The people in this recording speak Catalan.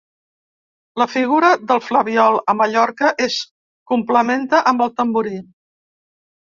La figura del flabiol a Mallorca es complementa amb el tamborí.